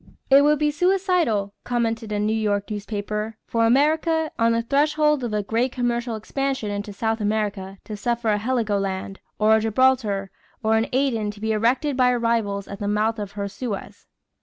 "It would be suicidal," commented a New York newspaper, "for America, on the threshold of a great commercial expansion in South America, to suffer a Heligoland, or a Gibraltar, or an Aden to be erected by her rivals at the mouth of her Suez."